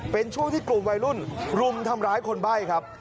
เป็นช่วงที่กลุ่มวัยรุ่นรุมทำร้ายคนใบ้ครับ